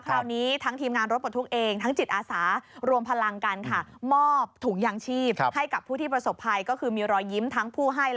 คราวนี้ทั้งทีมงานรถบททุกข์เอง